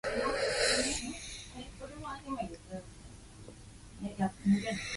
Soon after they were taken over by the Barnsley British Co-operative Society.